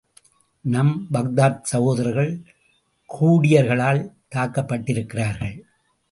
நம் பாக்தாத் சகோதரர்கள் கூர்டியர்களால் தாக்கப்பட்டிருக்கிறார்கள்.